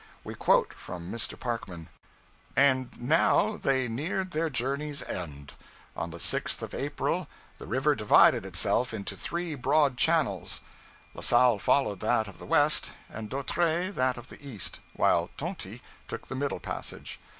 We quote from Mr. Parkman 'And now they neared their journey's end. On the sixth of April, the river divided itself into three broad channels. La Salle followed that of the west, and D'Autray that of the east; while Tonty took the middle passage.